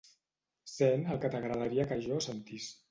Sent el que t'agradaria que jo sentís.